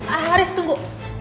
ah riz tunggu